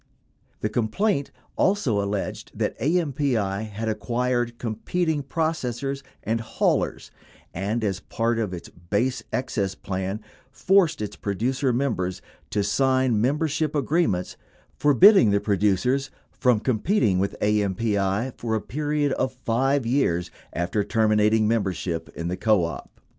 The complaint also alleged that AMPI had acquired competing processors and haulers and, as part of its base excess plan, forced its producer members to sign membership agreements forbid ding the producers from competing with AMPI for a period of 5 years after terminating membership in the co op.